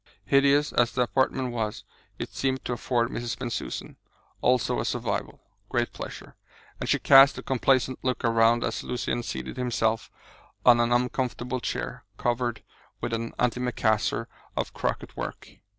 Hideous as the apartment was, it seemed to afford Mrs. Bensusan also a survival great pleasure; and she cast a complacent look around as Lucian seated himself on an uncomfortable chair covered with an antimacassar of crochet work.